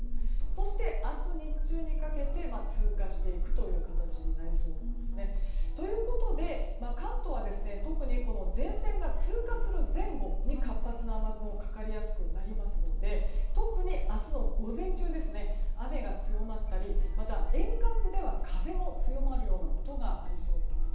そして明日日中にかけて通過していくという形になりそうなんですね。ということで、関東は特に前線が通過する前後に活発な雨雲がかかりやすくなりますので特に明日の午前中雨が強まったりまた沿岸部では風も強まることがありそうなんです。